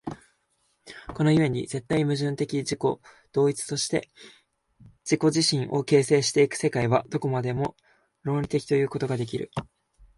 この故に絶対矛盾的自己同一として自己自身を形成し行く世界は、どこまでも論理的ということができる。